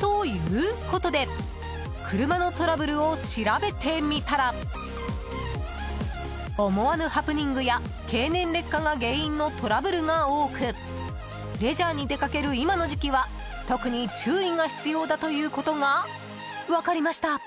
ということで車のトラブルを調べてみたら思わぬハプニングや経年劣化が原因のトラブルが多くレジャーに出かける今の時期は特に注意が必要だということが分かりました。